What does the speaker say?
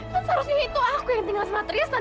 kan seharusnya itu aku yang tinggal sama tristan